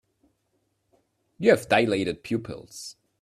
You have dilated pupils.